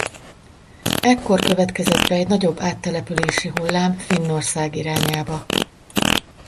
Ekkor következett be egy nagyobb áttelepülési hullám Finnország irányába.